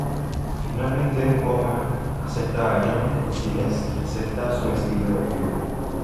Finalmente, Homer acepta a John por quien es y acepta su estilo de vida.